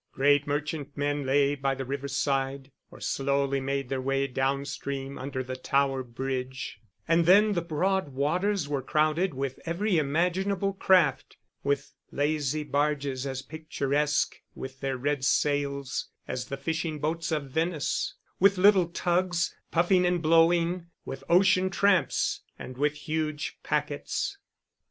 Great merchantmen lay by the river side, or slowly made their way downstream under the Tower Bridge; and then the broad waters were crowded with every imaginable craft, with lazy barges as picturesque with their red sails as the fishing boats of Venice, with little tugs, puffing and blowing, with ocean tramps, and with huge packets.